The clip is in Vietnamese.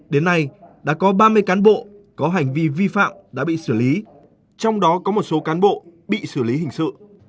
đến nay đã có ba mươi cán bộ có hành vi vi phạm đã bị xử lý trong đó có một số cán bộ bị xử lý hình sự